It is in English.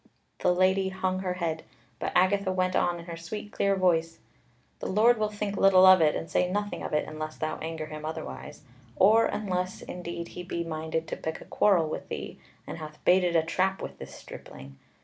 The Lady hung her head, but Agatha went on in her sweet clear voice: "The Lord will think little of it, and say nothing of it unless thou anger him otherwise; or unless, indeed, he be minded to pick a quarrel with thee, and hath baited a trap with this stripling.